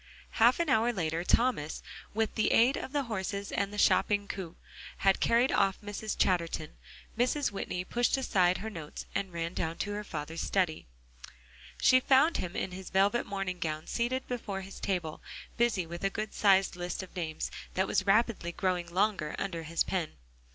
Half an hour later Thomas, with the aid of the horses and the shopping coupe having carried off Mrs. Chatterton, Mrs. Whitney pushed aside her notes, and ran down to her father's study. She found him in his velvet morning gown seated before his table, busy with a good sized list of names that was rapidly growing longer under his pen.